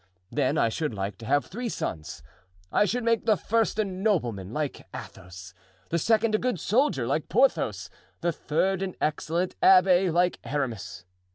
Then I should like to have three sons; I should make the first a nobleman, like Athos; the second a good soldier, like Porthos; the third an excellent abbé, like Aramis.